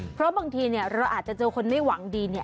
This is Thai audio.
เพราะบางทีเราอาจจะเจอคนไม่หวังดี